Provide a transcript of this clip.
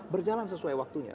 berjalan sesuai waktunya